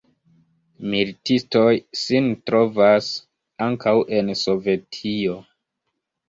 Militistoj sin trovas ankaŭ en Sovetio.